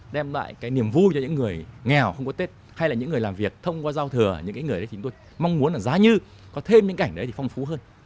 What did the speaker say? đem lại cái niềm vui cho những người nghèo không có tết hay là những người làm việc thông qua giao thừa những cái người đấy chúng tôi mong muốn là giá như có thêm những cảnh đấy thì phong phú hơn